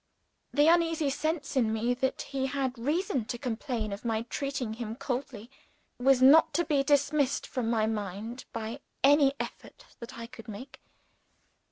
The uneasy sense in me that he had reason to complain of my treating him coldly, was not to be dismissed from my mind by any effort that I could make.